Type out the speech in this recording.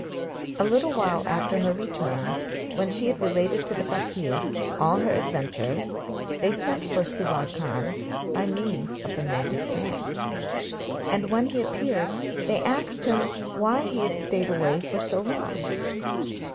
A little while after her return, when she had related to the fakir all her adventures, they sent for Subbar Khan by means of the magic fan; and when he appeared they asked him why he had stayed away for so long.